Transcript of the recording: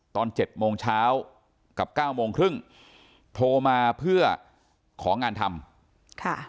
ตอน๗โมงเช้ากับ๙โมงครึ่งโทรมาเพื่อของงานทำ